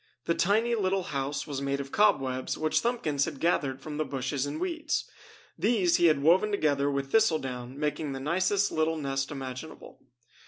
The tiny, little house was made of cobwebs which Thumbkins had gathered from the bushes and weeds. These he had woven together with thistle down, making the nicest little nest imaginable.